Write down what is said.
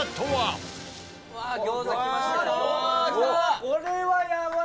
宮田：これはやばい！